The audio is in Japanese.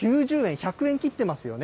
１００円切ってますよね。